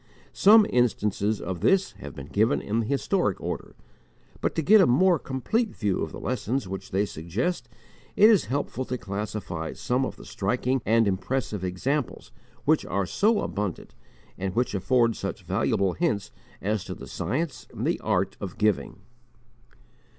Some instances of this have been given in the historic order; but to get a more complete view of the lessons which they suggest it is helpful to classify some of the striking and impressive examples, which are so abundant, and which afford such valuable hints as to the science and the art of giving.